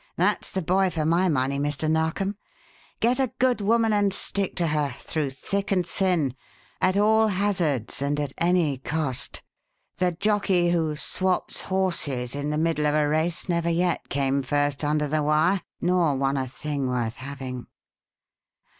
That's the boy for my money, Mr. Narkom! Get a good woman and stick to her, through thick and thin, at all hazards and at any cost. The jockey who 'swaps horses' in the middle of a race never yet came first under the wire nor won a thing worth having.